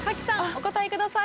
お答えください。